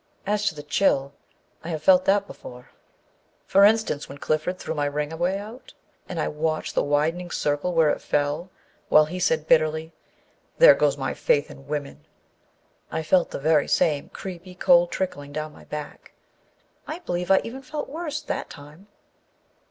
As to the chill, I have felt that before. 126 The Ghost in the Red Shirt For instance, when Clifford threw my ring away out, and I watched the widening circle where it fell, while he said bitterly, "There goes my faith in women," I felt the very same creepy cold trickling down my back. I believe I even felt worse that time.